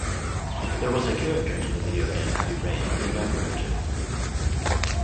There was a character in the video game "Heavy Rain" named after Winter.